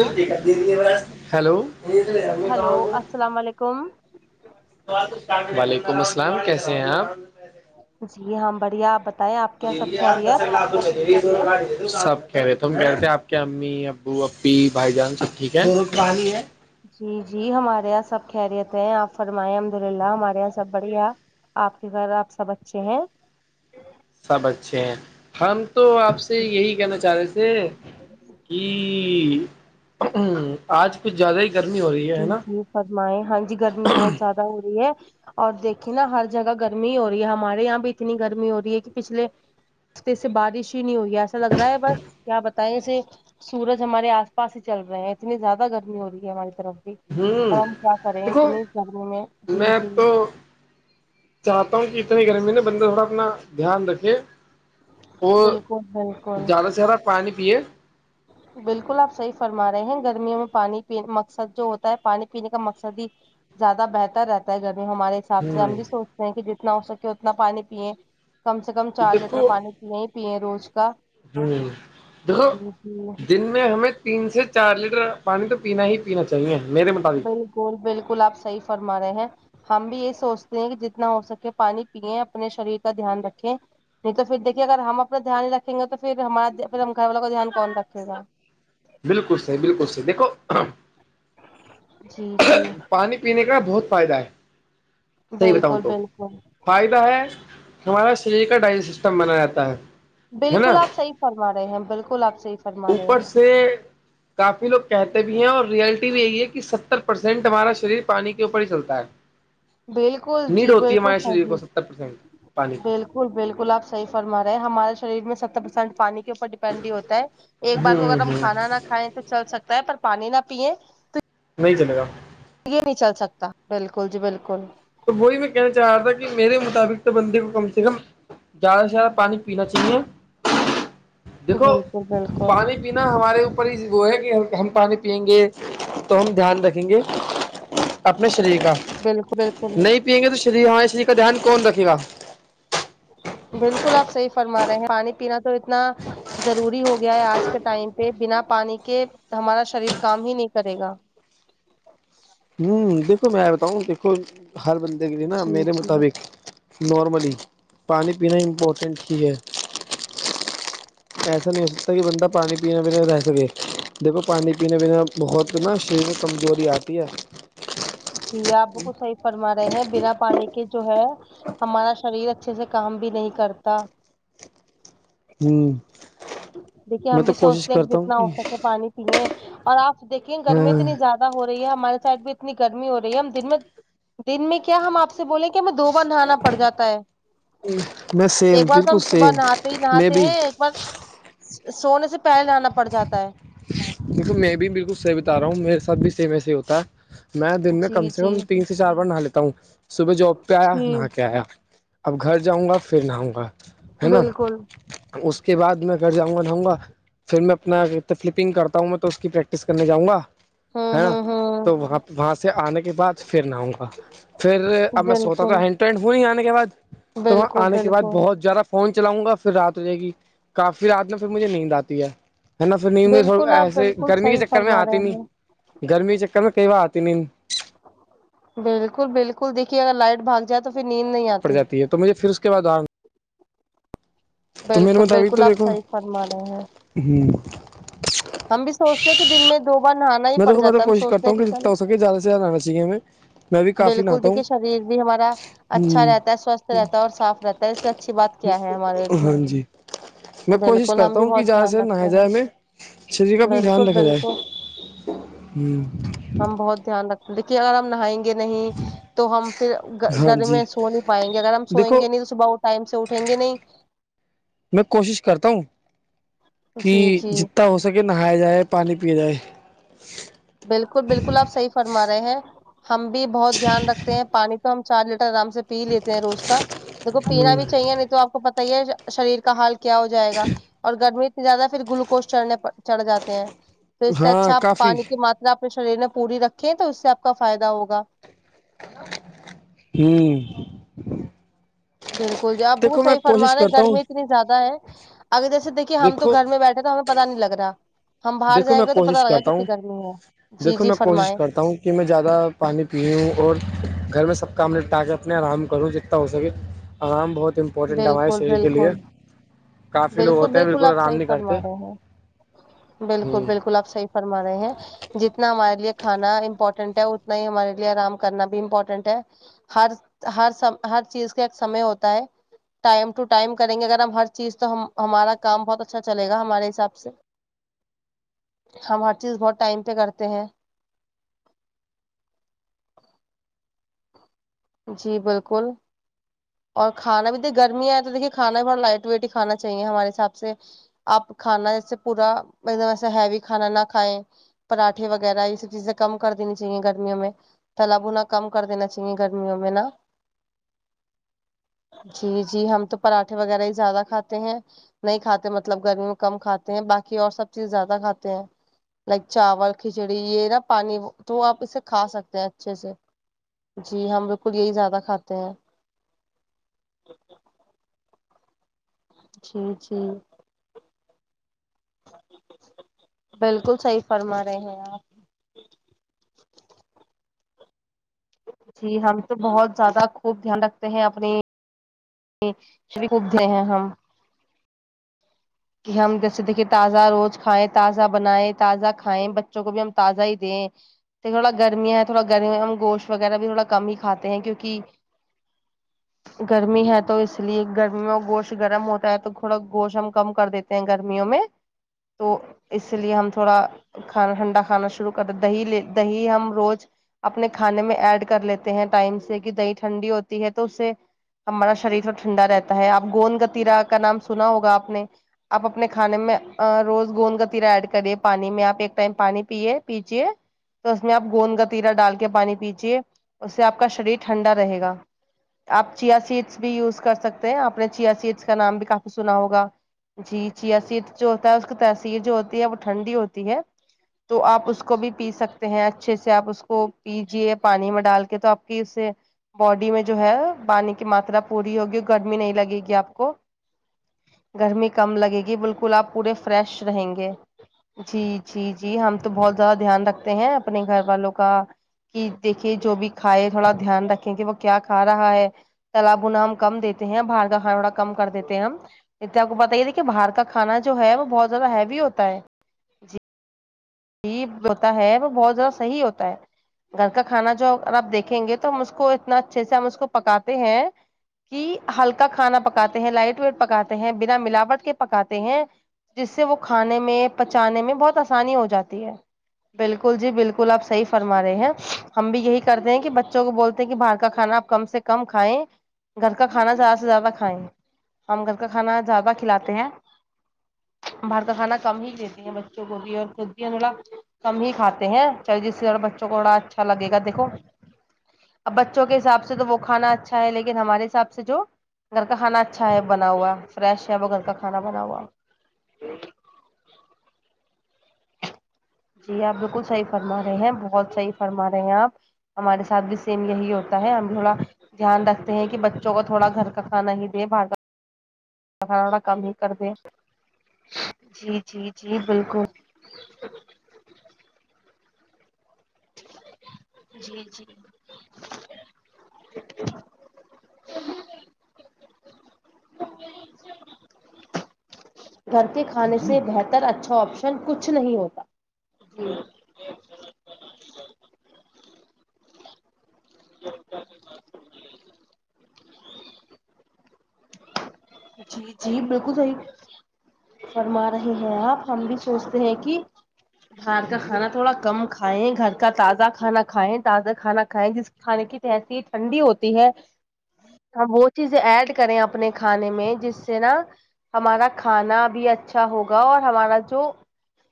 hello لو hello السلام علیکم وعلیکم السلام کیسے ہیں آپ [inaudible] جی ہاں بڑھیا بتا یہ آس ل سب کہہ رہے تھ ہم کہہ رہے تھ آپ کے امی ابو ای بھائی جان سب چٹکن رٹ رہانیی ہے جی جی ہمارے یہاں سب خیریت ہے آپ فرمائے احمد للہ ہمارے یہاں سب بڑھیا آپ کے گھر آپ سب اچھے ہیں سب اچھے ہیں ہم تو آپ سے یہی کہنا جی چاہ رہے تھے کہ آج کچھ زیادہ ہی گرمی ہو رہی ہے جی نا جی فرمائے ہاں جی گرمی بہت زیادہ ہو رہی ہے اور دیکھیے نا ہر جگہ گرمی ہو رہی ہے ہمارے یہاں بھی اتنی گرمی ہو رہی ہے کہ پچھلے ہفتے سے بارش ہی نہیں ہوگی ایسا لگ رہا ہے بس کیا بتائیں اسے سورج ہمارے آس پاس ہی چل رہے ہیں اتنی زیادہ گرمی ہو رہی ہے ہماری طرف ہوں پر ہم کیا کریں دیکھو اتنی گرمی میں جی جی چاہتا ہوں کہ اتنے ہی گرمی نا بندہ تھوڑا اپنا دھیان رکھے وہ بالکل بالکل زیادہ سے زیادا پانی پیے بالکل آپ صحیح فرما رہے ہیں گرمیوں میں پانینے مقصد جو ہوتا ہے پانی پینے کا مقصد ہی زیادہ بہتر رہتا ہے گرمی ہمارے حساب سے ہم بھی سوچتے ہیں کہ جتنا ہو سکے اتنا پانی پیئے کم سے کم چار لیٹر پانی نہیں پیے روز کا ہوں دیکھو جی جی دن ہمیں تین سے چار لیٹر پانی تو پینا ہی پینا چاہیے میرے مطابق بالکل بالکل آپ صحیح فرما رہے ہیں ہم بھی یہ سوچتے ہیں کہ جتنا ہو سکے پانی پییں اپنے شریر کا دھیان رکھیں نہیں تو پھر دیکھیے اگر ہم اپنا دھیان ہی رکھیں گے تو پھر ہمارا پھر ہم گھر والوں کا دھیان کون رکھے گا بالکل صحی بالکل صح دیکھو جی جی پانی پینے کا بہت فائدہ ہے صحیح بتاؤں بالکل تو بالکل فائدہ ہے ہمارا شریر کا ڈائجس سسٹم بنا رہتا ہے ہے نا بالکل آ صحیح فرما رہے ہیں بالکل آپ صح اوپر سے کافی لوگ کہتے بھی ہیں اور ریئلٹی بھی یہی ہے کہ ستر پرسینٹ ہمارا شریر پانی کے اوپر ہی چلتا ہے بالکل نیڈ جی ہوتی ہے بالکل ہمارے شریر صحیح کو ستر پرسینٹ پانی بالکل بالکلپ صح فرم رہے ہمارے شریر میں ستر پرسینٹ پانی کےوپر ینڈ ہوتا ہے ایک بار ہ کو اگر ہم ہ کھانا نہ کھائیں تو چل سکتا ہے پر پانی نہ پیئے نہیں جلے گا نہیں چل سکتا بالکل جی بالکل تو وہی میں کہنا چاہ رہا تھا کہ میرے مطابق تو بندے کو کم سے کم زیادہ سے زیادہ پانی پینا چاہیے دیکھو بالکل بالکل پانی پینا ہمارے اوپر ہی وہ ہے کہ ہم پانی پیئیں گے تو ہم دھیان رکھیں گے اپنے شریریک کا [unintelligible] بالکل بالکل نہیں پئیں گے تو شریف ہم شریف کا دھیان کون رکھے گا بالکل آپ صحیح فرما رہے ہیں پانی پینا تو اتنا ضروری ہو گیا ہے آج کے ٹائم پہ بنا پانی کے ہمارا شریر کام ہی نہیں کرے گا ہوں دیکھو میں بتاؤں دیکھو ہر بندے کے لیے نا جی میرے جی مطابق نارملی پانی پینا امپورٹنٹ چیز ہے [inaudible] ایسا نہیں ہو سکتا کہ بند پانی پینے ب رہ سے دیکھو پانی پینے پنے بہت نا شریر میں کمزوری آتی ہے جی آپ بالکل صحیح فرما رہے ہیں بنا پانی کے جو ہے ہمارا شریر اچھے سے کام بھی نہیں کرتا ھمم دیکھیے ہم بھی سوچتے ہیں کہ جتنا ہو سکے پانی پییں اور آپ دیکھیں گرمی ہاں اتنی زیادہ ہو رہی ہے ہمارے سائڈ بھی اتنی گرمی ہو رہی ہے ہم دن میں دن میں کیا ہم آپ سے سے بولے کہ ہمیں دو بار نہانا پڑ جاتا ہے میں سیم ایک بار تو بالکل ہم صبح سیم نہاتے ہی میں نہاتے بھی ہیں ایک بار سونے سے پہلے جنا پڑ جاتا ہے دیکو میں بھی بالکل صحی بتا رہا ہوں میرے ساتھ بھی صی میںسے ہوتا ہے میں دن میں کم جی سے کم جی تین سے چار بار نہا لیتا ہوں صبح جاب پہ آیا جی نہا کے آیا اب گھر جاؤں گا پھر نہاؤں گا ہے نا بالکل اس کے بعد میں گھر جاؤں گا نہاؤں گا پھر میں اپنا فلپنگ کرتا ہوں میں تو اس کی پریکٹس کرنے جاؤں گا ہوں ہے نا ہوں ہوں تو وہاں وہاں سے آنے کے بعد پھر نہ آؤں گا پھر اب میں سوچتا بالکل تھا ہ ٹٹ ہو نہیں آنے کے بعد تو وہاں بالکل آنے کے بع بالکل بہت زیادہ فون چلاؤں گا پھر رات ہو جائے گی کافی رات نا پھر مجھے نیند آتی ہے ہے نا پھر نہیں مھے تھو بالکل آپ ایسے بالکل گرمی کے صحیح چکر میں فرما آتی رہے نہیں ہیں گرمی کے چکر میں کئی بار آتی نہیں بالکل بالکل دیکھیے اگر لائٹ بھاگ جائے تو پھر نیند نہیں پڑ آتی جاتی تو مجھے پھر اس کے بعد تو بالکل بالکل آپ صحیح فرما رہے ہیں ہی ہم بھی سوچتے ہیں کہ دن میں دو بار نہانا ہی میں پڑ تو جاتا مطلب ہے ہم کوشش سوچتے کرتا ہیں ہوں کہ چلو جتنا ہو سکے زیادہ سے زیادہ آنا چاہیے ہمیں میں بھی کافی بالکل نہاتا ہوں دیکھیے شریر بھی ہمارا اچھا ہوں رہتا ہے سوستھ رہتا ہے اور صاف رہتا ہے اس سے اچھی بات کیا ہے ہمارے لیے ہاں جی میں کوشش بالکل ہم کرتا بھی ہوں کہ بہت زیادہ دھیان سے رکھتے نہایا جائے ہیں ہمیں شریر کا اپنی بالکل دھیان رکھا جائے بالکل ہم بہت دھیان رکھتے دیکے اگر ہم نہائ گے نہیں تو ہم پھر ہاں گر جی میں سو نہیں پائیں گے اگر ہم دیکھو سوئیں گے نہیں تو صبح اٹھ ٹائم سے اٹھیں گے نہیں میں کوشش کرتا ہوں کہ جی جی جتنا ہو سکے نہایا جائے پانی پیا جائے بالکل بالکل آپ صحیح فرما رہے ہیں ہم بھی بہت دھیان رکھتے ہیں پانی تو ہم چار لیٹر آرام سے پی لیتے ہیں روز کا دیکھو پینا ہ بھی چاہیے نہیں تو آپ کو کو پت ہی ہے شریر کا حال کیا ہو جائے گا اور گرمی اتنی زیادہ پھر گلوکوز چڑھنے چڑھ جاتے ہیں پھر اس سے ہاں اچھا کافی پانی ماتا اپنے شریر میں پوری رکھیں تو اس سے آ کا فائدہ ہوگا ھمم بالکل جی آپ ب دیکھو میں صحی کوشش فرماے ہے کرتا ہوں گرمی اتنی زیادہ ہے آگگر جیسے دیکھیے ہم تو دیکھو گھر میں بیٹھے تو ہمیں پتا نہیں لگ رہا ہم باہر دیکھو جائیں میں گے تو پتا کوشش لگا کرتا ہوں کتنی گرمی ہے جی دیکھو جی میں کوشش فرمائے کرتا ہوں کہ میں زیادہ پانی پی ہوں اور گھر میں سب کام تاکہ اپنے آرام کروں جتنا ہو سکے آرام بہت امپورٹنٹ ہے ہمارے بالکل شریر کے لیے بالکل کافی لوگ ہوتے ہیں بالکل آپ آرام صحیح نہیں فرما کرتے رہے ہیں بالکل ہ بالکل آپ صحیح فرما رہے ہیں جتنا ہمارے لیے کھانا امپورٹینٹ ہے اتنا ہی ہمارے لیے آرام کرنا بھی امپورٹینٹ ہے ہر ہر س ہر چیز کا ایک سمے ہوتا ہے ٹائم ٹ ٹائم کریں گے اگر ہم ہر چیز تو ہمارا کام بہت اچھا چلےا ہمارے حساب سے ہم ہر چیز بہت ٹائم پہ کرتے ہیں جی بالکل اور کھانا بھی د گرمی آئے تو دیکے کھانا بھی بڑا لائٹ ویٹ ہی کھانا چاہیے ہمارے حساب سے آپ کھانا جیسے پورا ایکم ایسا ہیوی کھانا نہ کھائیں پراٹھے وغیرہ یہ سب چیزیں کم کر دینی چاہیے گرمیوں میں تالابو نہ کم کر دینا چاہیے گرمیوں میں نا جی جی ہم تو پراٹھے وغیرہ ہی زیادہ کھاتے ہیں نہیں کھاتے مطلب گرمی میں کم کھاتے ہیں باقی اور سب چیز زیادہ کھاتے ہیں لائک چاول کھچڑی یہ نا پانی تو آپ اسے کھا سکتے ہیں اچھے سے جی ہم بالکل یہی زیادہ کھاتے ہیں جی جی بالکل صحیح فرما رہے ہیں آپ [unintelligible] جی ہم تو بہت زیادہ خوب دھیان رکھتے ہیں اپنی [unintelligible] ش کب دے ہیں ہم [unintelligible] کہ ہم جیسے دیکھیے تازہ روز کھائیں تازہ بنائیں تازہ کھائیں بچوں کو بھی ہم تازہ ہی دیں [unintelligible] تھوڑا گرمیاں ہے تھوڑا گرمی میں ہم گوشت وغیرہ بھی تھوڑا کم ہی کھاتے ہیں کیکہ [unintelligible] گرمی ہے تو اس لیے گرمی میں گوشت گرم ہوتا ہے تو تھوڑا گوشت ہم [unintelligible] کم کر دیتے ہیں گرمیوں میں تو اس لیے ہم تھوڑا کھانا ٹھنڈا کانا شروع کر د دہیے دہی ہم روز اپنے کھانے میں ایڈ کر لیتے ہیں ٹائم سے کہ دہی ٹھنڈی ہوتی ہے تو اسے ہمارا شریر تو ٹھنڈا رہتا ہے آپ گند گتییرا کا نام سنا ہوگا آپ نے آپ اپنے کھانے میں روز گوند کا تیرا ایڈ کرے پانی میں آپ ایک ٹائم پانی پیے پیجے تو اس میں آپ گوند گتییرا ڈال کے پانی پیجیے اس سے آپ کا شریر ٹھنڈا رہے گا آپ چیا سیڈس بھی یوز کر سکتے ہیں آپ نے چیا سیڈس کا نام بھی کافی سنا ہوگا جی جیا سیر جو ہوتا ہے اس کی ترثیر جو ہوتی ہے وہ ٹھنڈی ہوتی ہے تو آپ اس کو بھی پی سکتے ہیں اچھے سے آپ اس کو پیجیے پانی میں ڈال کے تو آپ کی اسے باڈی میں جو ہے پانی کی ماترا پوری ہوگی گرمی نہیں لگے گی آپ کو گرمی کم لگے گی بالکل آپ پورے فریش رہیں گے جی جی جی ہم تو بہت زیادہ دھیان رکھتے ہیں اپنے گھر والوں کا کہ دیکھیے جو بھی کھائے تھوڑا دھیان رکھیں کہ وہ کیا کھا رہا ہے تلا بنا ہم کم دیتے ہیں باہر کا کھاناڑا کم کر دیتے ہیں ہم ا آپ کو بت ہی د کہ باہر کا کانا جو ہے وہ بہت زیادہ ہیوی ہوتا ہے جی جو ہوتا ہے وہ بہت زیادہ صحیح ہوتا ہے گھر کا کھانا جو اگر آپ دیکھیں گے تو ہم اس کو اتنا اچھے سے ہم اس کو پکاتے ہیں کہ ہلکا کھانا پکاتے ہیں لائٹ ویٹ پکاتے ہیں بنا ملاوٹ کے پکاتے ہیں جس سے وہ کھانے میں پچانے میں بہت آسانی ہو جاتی ہے بالکل جی بالکل آپ صحی فرما رہے ہیں ہم بھی یہی کرتے ہیں کہ بچوں کو بولتے ہیں کہ باہر کا کانا آپ کم سے کم کھائیں گھر کا کھانا زیادہ سے زیادہ کھائیں ہم گھر کا کانا زد بہ کھلاتے ہیں باہر کا کھانا کم ہی دیتی ہیں بچوں کو بھی اور خود ا کم ہی کھاتے ہیں جس سے بچوں کو تھوڑا اچھا لگے گا دیکو اب بچوں کے حساب سے تو وہ کھانا اچھا ہے لیکن ہمارے حساب سے جو گھر کا کھانا اچھا ہے بنا ہوا فریش ہے وہ گھر کا کھانا بنا ہوا جی آپ بالکل صحیح فرما رہے ہیں بہت صحیح فرما رہے ہیں آپ ہمارے ساتھ بھی سیم یہی ہوتا ہے ہم تھوڑا دھیان رکھتے ہیں کہ بچوں کو تھوڑا گھر کا کھانا ہی دے بھاا ا کام ہی کر د جی جی جی بالکل جی جی [unintelligible] گھر کے کھانے سے بہتر اچھا آپشن کچھ نہیں ہوتا جی ج [unintelligible] جی جی بالکل صحیح فرما رہے ہیں آپ ہم بھی سوچتے ہیں کہ باہر کا کھانا تھوڑا کم کھائےیں گھر کا تازہ کھانا کھائےیں تازہ کھانا کھائےیں جس کھانے کی تحسیی ٹھنڈی ہوتی ہے ج [inaudible] ہم وہ چیزیں ایڈ کریں اپنے کھانے میں جس سے نا ہمارا کھانا [unintelligible] بھی اچھا ہوگا اور ہمارا جو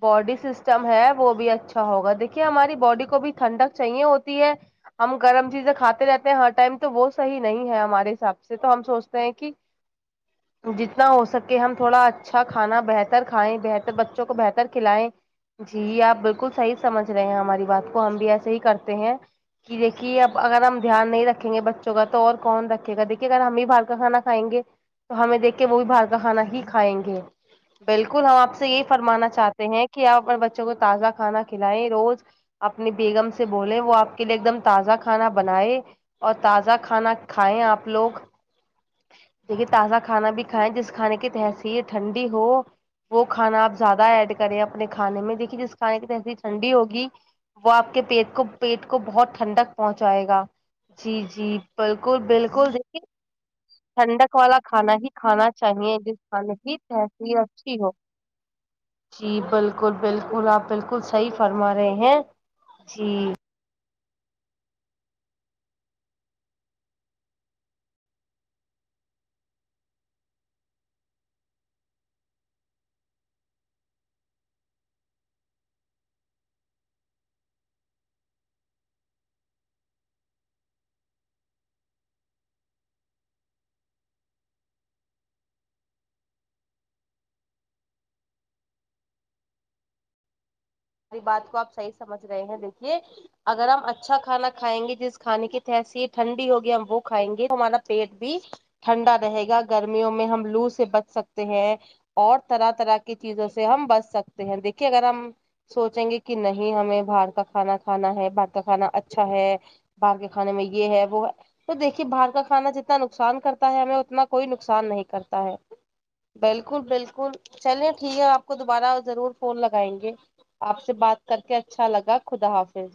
بوڈی سسٹم ہے وہ بھی اچھا ہوگا دیکھیے ہماری بوڈی کو بھی ٹھنڈک چاہیے ہوتی ہے ہم گرم چیزیں کھاتے رہتے ہیں ہر ٹائم تو وہ صحیح نہیں ہے ہمارے حساب سے تو ہم سوچتے ہیں کہ [inaudible] جتنا ہو سکے ہم تھوڑا اچھا کھانا بہتر کھائیں بہتر بچوں کو بہتر کھلائیں جی آپ بالکل صحیح سمجھ رہے ہیں ہماری بات کو ہم بھی ایسے ہی کرتے ہیں کہ دیکھیے اب اگر ہم دھیان نہیں رکھیں گے بچوں کا تو اور کون رکھے گا دیکھیے اگر ہم ہی باہر کا کانا کھائیں گے تو ہمیں دیکھ کے وہ بھی باہر کا کھانا ہی کھائیں گے [inaudible] بالکل ہم آپ سے یہی فرمانا چاہتے ہیں کہ آپ اپنے بچوں کو تازہ کھانا کھلائیں روز اپنی بیگم سے بولے وہ آپ کے لیے ایک دم تازہ کھانا بنائے اور تازہ کھانا کھائیں آپ لوگ دیکھیے تازہ کھانا بھی کھائیں جس کھانے کی تحسیر ٹھنڈی ہو وہ کھانا آپ زیادہ ایڈ کریں اپنے کھانے میں دیکھیے جس کھانے کی تحصیر ٹھنڈی ہوگی وہ آپ کے پیٹ کو پیٹ کو بہت ٹھنڈک پہنچائے گا جی جی بالکل بالکل دیکھیے ٹھنڈک والا کھانا ہی کھانا چاہیے جس کھانے جی تحصیرہے اچھی ہو جی بالکل بالکل آپ بالکل صحیح فرما رہے ہیں جی ہماری بات کو آپ صحیح سمجھ رہے ہیں دیکھیے اگر ہم اچھا کھانا کھائیں گے جس کھانے کی تحصیر ٹھنڈی ہوگی ہم وہ کھائیں گے تو ہمارا پیٹ بھی ٹھنڈا رہے گا گرمیوں میں ہم لو سے بچ سکتے ہیں اور طرح طرح کی چیزوں سے ہم بچ سکتے ہیں دیکھیے اگر ہم سوچیں گے کہ نہیں ہمیں باہر کا کھانا کھانا ہے باہر کا کھانا اچھا ہے باہر کے کھانے میں یہ ہے وہ ہے تو دیکھیے باہر کا کھانا جتنا نقصان کرتا ہے ہمیں اتنا کوئی نقصان نہیں کرتا ہے بالکل بالکل چلیے ٹھیک ہے آپ کو دوبارہ ضرور فون لگائیں گے آپ سے بات کر کے اچھا لگا خدا حافظ